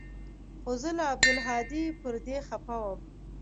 خو زه له عبدالهادي پر دې خپه وم.